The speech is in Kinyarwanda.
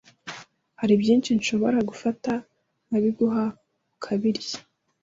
hari byinshi nshobora gufata nkabiguha ukabirya